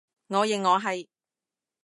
我認我係